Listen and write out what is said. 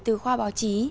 từ khoa báo chí